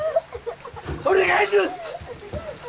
お願いします！